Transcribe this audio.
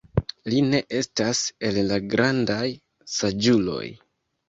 Li ne estas el la grandaj saĝuloj.